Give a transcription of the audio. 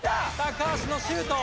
高橋のシュート。